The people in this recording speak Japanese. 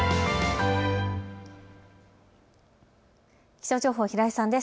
気象情報、平井さんです。